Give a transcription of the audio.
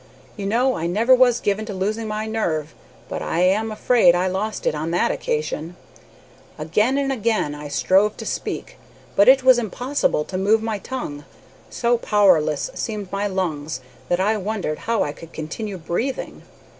You know I never was given to losing my nerve, but I am afraid I lost it on that occasion. Again and again I strove to speak, but it was impossible to move my tongue. So powerless seemed my lungs that I wondered how I could continue breathing.